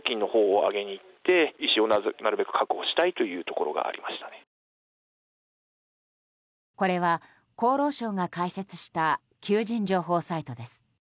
これは厚労省が開設した求人情報サイトです。